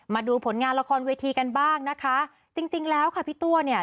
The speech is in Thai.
มาดูผลงานละครเวทีกันบ้างนะคะจริงจริงแล้วค่ะพี่ตัวเนี่ย